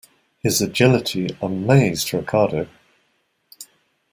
His agility amazed Ricardo.